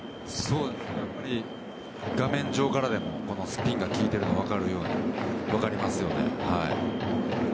やっぱり画面上からでもスピンが利いているのが分かりますよね。